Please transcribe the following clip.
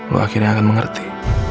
lo akhirnya akan mengerti